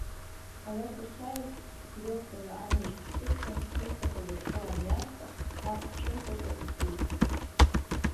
Ара сахьааиз ҳдиректор амҩаҿ дсықәшәан исҭахыз ашәҟәы аниасҳәа мап сцәымкыкәа исиҭеит.